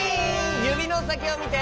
ゆびのさきをみて！